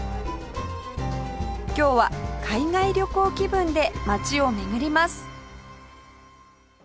今日は海外旅行気分で街を巡ります